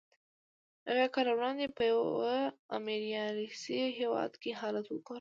اویای کاله وړاندې په یو امپریالیستي هېواد کې حالت وګورئ